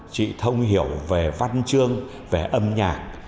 chị thông hiểu về văn chương về âm nhạc